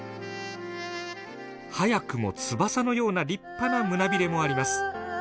早くも翼のような立派な胸びれもあります。